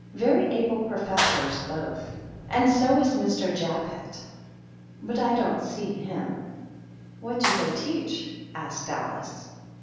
" Very able professors, both. And so is Mr. Jappet, but I don't see him." "What do they teach?" asked Alice.